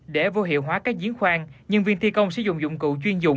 để vô hiệu hóa các diến khoan nhân viên thi công sử dụng dụng cụ chuyên dụng